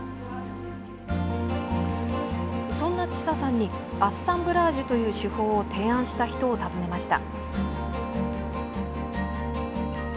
そんな知佐さんにアッサンブラージュという手法を提案した人を訪ねました。